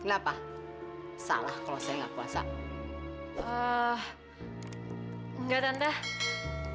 apaan masa tapi itu diam hu